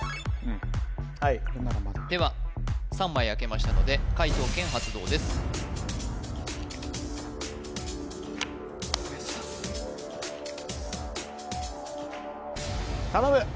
まだまだでは３枚開けましたので解答権発動ですお願いします頼む！